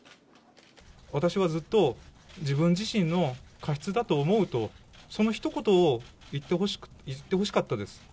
私はずっと、自分自身の過失だと思うと、そのひと言を言ってほしかったです。